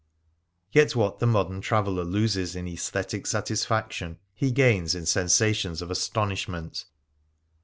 Yet what the modern traveller loses in aesthetic satisfaction he gains in sensations of astonishment.